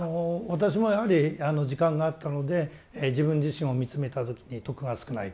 私もやはり時間があったので自分自身を見つめた時に徳が少ない